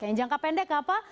yang jangka pendek apa